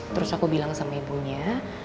terus aku bilang sama ibunya